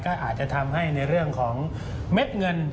ก็อาจจะทำให้ในเรื่องของเม็ดเงิน